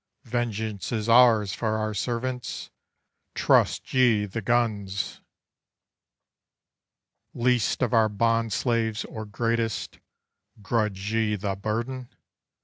Vengeance is ours for our servants. Trust ye the guns! Least of our bond slaves or greatest, grudge ye the burden?